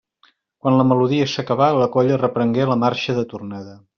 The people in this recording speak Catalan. Quan la melodia s'acabà, la colla reprengué la marxa de tornada.